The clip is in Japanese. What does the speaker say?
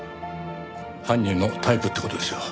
犯人のタイプって事でしょう。